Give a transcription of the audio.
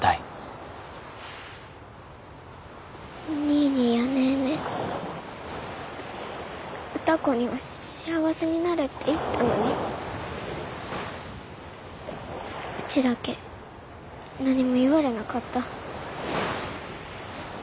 ニーニーやネーネー歌子には「幸せになれ」って言ったのにうちだけ何も言われなかった。